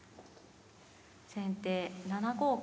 先手７五桂。